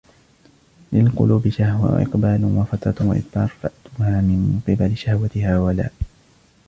لِلْقُلُوبِ شَهْوَةٌ وَإِقْبَالٌ وَفَتْرَةٌ وَإِدْبَارٌ فَأْتُوهَا مِنْ قِبَلِ شَهْوَتِهَا وَلَا